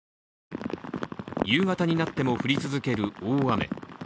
夕方になっても降り続ける大雨。